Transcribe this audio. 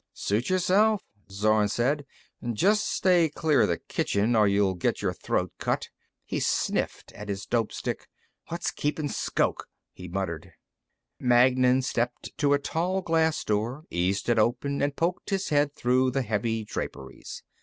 "Suit yourself," Zorn said. "Just stay clear of the kitchen, or you'll get your throat cut." He sniffed at his dope stick. "What's keeping Shoke?" he muttered. Magnan stepped to a tall glass door, eased it open and poked his head through the heavy draperies.